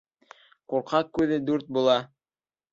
Ҡурҡаҡ күҙе дүрт була